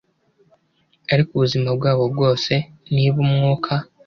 Ariko ubuzima bwabo bwose! Niba umwuka